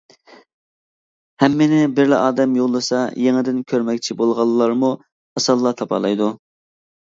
ھەممىنى بىرلا ئادەم يوللىسا يېڭىدىن كۆرمەكچى بولغانلارمۇ ئاسانلا تاپالايدۇ.